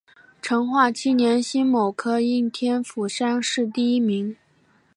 成化七年辛卯科应天府乡试第一名。